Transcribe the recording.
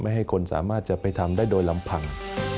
ให้คนสามารถจะไปทำได้โดยลำพัง